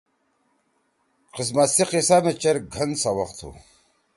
قسمت سی قصہ می چیر گھن سوق تُھو۔